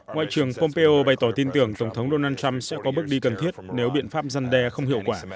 ngoại trưởng pompeo bày tỏ tin tưởng tổng thống donald trump sẽ có bước đi cần thiết nếu biện pháp răn đe không hiệu quả